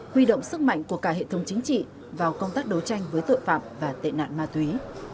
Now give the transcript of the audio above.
huy động sức mạnh của cả hệ thống chính trị vào công tác đấu tranh với tội phạm và tệ nạn ma túy